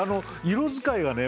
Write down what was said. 色使いがね